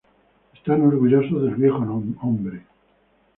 Están orgullosos del viejo hombre.